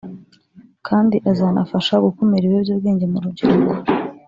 kandi azanafasha gukumira ibiyobyabwenge mu rubyiruko